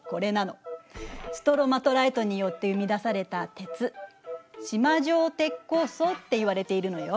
ストロマトライトによって生み出された鉄縞状鉄鉱層っていわれているのよ。